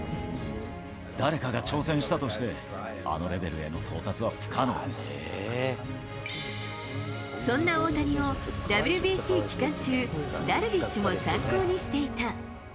誰かが挑戦したとして、そんな大谷をＷＢＣ期間中、ダルビッシュも参考にしていた。